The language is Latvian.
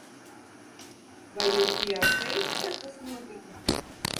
Vai jūs bijāt šeit, kad tas notika?